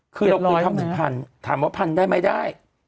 คือเราคุณทำถึงพันธุ์ถามว่าพันธุ์ได้ไหมได้